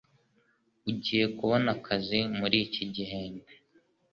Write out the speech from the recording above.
Ugiye kubona akazi muri iki gihembwe